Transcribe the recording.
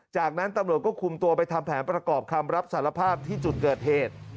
จากนั้นตำรวจก็คุมตัวไปทำแผนประกอบคำรับสารภาพที่จุดเกิดเหตุ